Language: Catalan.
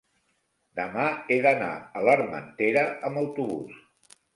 demà he d'anar a l'Armentera amb autobús.